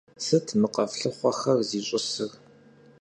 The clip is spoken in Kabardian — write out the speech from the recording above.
Сыт мы къэфлъыхъуэхэр зищӀысыр?